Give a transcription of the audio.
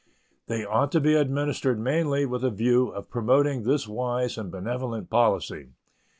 They ought to be administered mainly with a view of promoting this wise and benevolent policy.